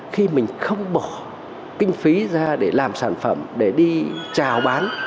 khi mình không bỏ kinh phí ra để làm sản phẩm để đi trào bán